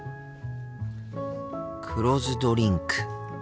黒酢ドリンク。